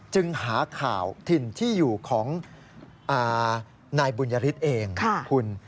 จึงหาข่าวถิ่นที่อยู่ของนายบุญยฤทธิ์เองคุณ